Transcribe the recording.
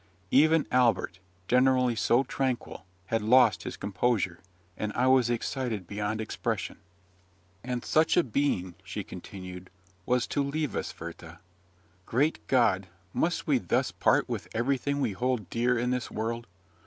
Even Albert, generally so tranquil, had quite lost his composure; and I was excited beyond expression. "And such a being," She continued, "was to leave us, Werther! Great God, must we thus part with everything we hold dear in this world?